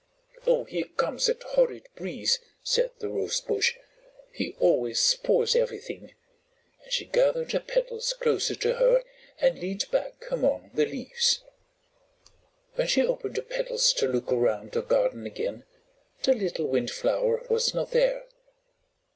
"Oh, here comes that horrid breeze!" said the Rosebush. "He always spoils everything." And she gathered her petals closer to her and leaned back among the leaves. When she opened her petals to look around the garden again the little Windflower was not there.